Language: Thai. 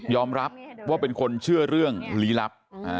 รับว่าเป็นคนเชื่อเรื่องลี้ลับ